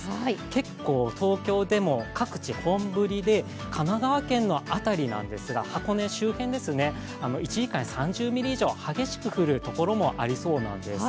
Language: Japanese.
結構、東京でも各地、本降りで神奈川県の辺りなんですが、箱根周辺は１時間に３０ミリ以上、激しく降る所もありそうなんです。